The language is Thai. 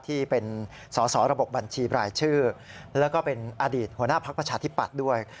ที่เป็นสอสอระบบบัญชีบรายชื่อแล้วก็เป็นอดีตหัวหน้าพักประชาธิปัตย์ด้วย